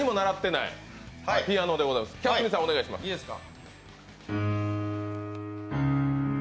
いいですか。